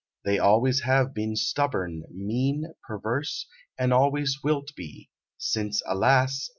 They always have been stubborn, mean, perverse, And always wilt be, since, alas!